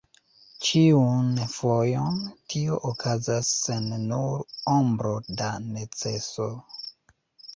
Ĉiun fojon tio okazas sen nur ombro da neceso.